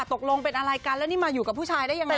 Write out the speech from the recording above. ตกลงเป็นอะไรกันแล้วนี่มาอยู่กับผู้ชายได้ยังไง